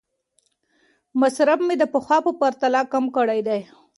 مصرف مې د پخوا په پرتله کم کړی دی.